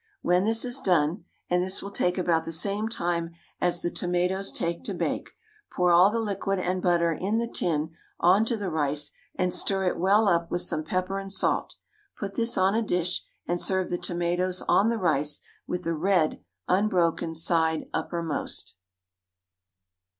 When this is done (and this will take about the same time as the tomatoes take to bake), pour all the liquid and butter in the tin on to the rice and stir it well up with some pepper and salt. Put this on a dish, and serve the tomatoes on the rice with the red, unbroken side uppermost.